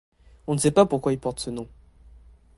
On ne sait pas pourquoi il porte ce nom.